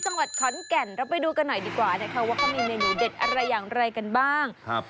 จังหวัดขอนแก่นเราไปดูกันหน่อยดีกว่านะคะว่าเขามีเมนูเด็ดอะไรอย่างไรกันบ้างครับ